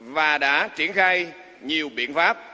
và đã triển khai nhiều biện pháp